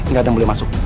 gak ada yang boleh masuk